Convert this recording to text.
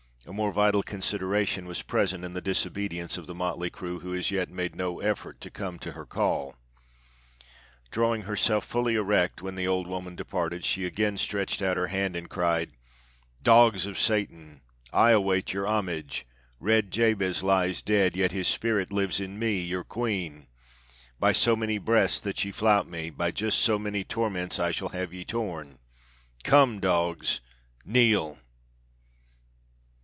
A more vital consideration was present in the disobedience of the motley crew who as yet made no effort to come to her call. Drawing herself fully erect when the old woman departed, she again stretched out her hand and cried: "Dogs of Satan! I await your homage. Red Jabez lies dead: yet his spirit lives in me, your queen. By so many breaths that ye flout me, by just so many torments shall I have ye torn. Come, dogs. Kneel!"